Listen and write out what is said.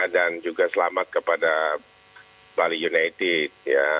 dan juga selamat kepada bali united